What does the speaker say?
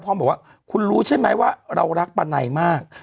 บอกว่าคุณรู้ใช่ไหมว่าเรารักปะไนมาก